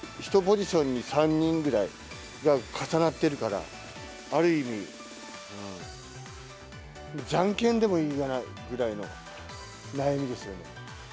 １ポジションに３人ぐらいが重なってるから、ある意味、じゃんけんでもいいかなぐらいの悩みですよね。